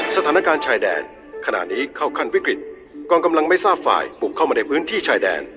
สถานการณ์ชายแดนขณะนี้เข้าขั้นวิกฤตกองกำลังไม่ทราบฝ่ายบุกเข้ามาในพื้นที่ชายแดน